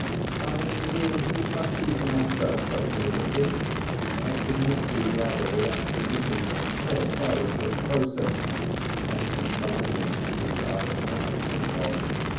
"I will be trustee for myself, Dr Middleton. I could not do the other without submitting my poor father to a process and confinement which I cannot think of."